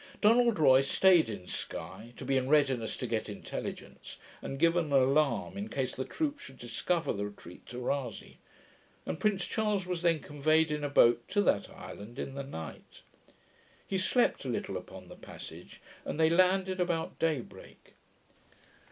Donald Roy staid in Sky, to be in readiness to get intelligence, and give an alarm in case the troops should discover the retreat to Rasay; and Prince Charles was then conveyed in a boat to that island in the night. He slept a little upon the passage, and they landed about day break.